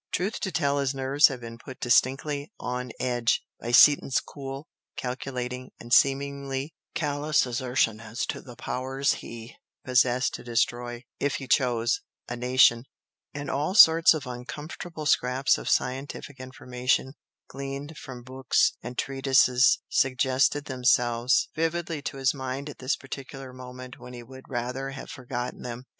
Truth to tell his nerves had been put distinctly "on edge" by Seaton's cool, calculating and seemingly callous assertion as to the powers he possessed to destroy, if he chose, a nation, and all sorts of uncomfortable scraps of scientific information gleaned from books and treatises suggested themselves vividly to his mind at this particular moment when he would rather have forgotten them.